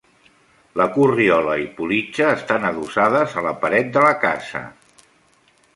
La corriola i politja estan adossades a la paret de la casa.